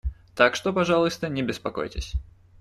Так что, пожалуйста, не беспокойтесь.